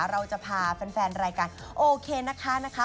เราจะพาแฟนรายการโอเคนะคะ